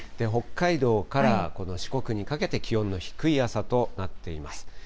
北海道からこの四国にかけて、気温の低い朝となっています。